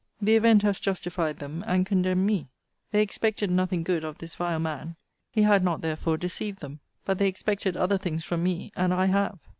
The event has justified them, and condemned me. They expected nothing good of this vile man; he had not, therefore, deceived them: but they expected other things from me; and I have.